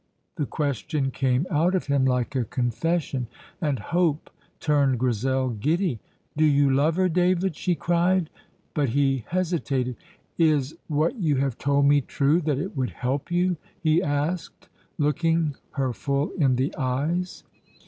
The question came out of him like a confession, and hope turned Grizel giddy. "Do you love her, David?" she cried. But he hesitated. "Is what you have told me true, that it would help you?" he asked, looking her full in the eyes.